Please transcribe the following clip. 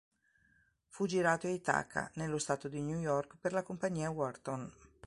Fu girato a Ithaca, nello stato di New York per la compagnia Wharton.